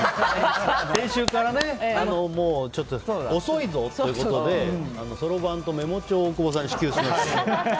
先週から遅いぞってことでそろばんとメモ帳を大久保さんに支給しました。